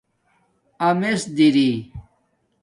امس دری